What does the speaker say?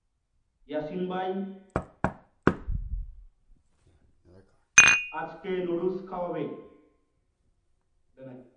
দলীয় মানদণ্ডে মহিলা সংসদ সদস্যের কোটা নির্ধারিত হয়ে থাকে।